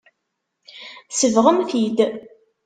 Tsebɣem-t-id.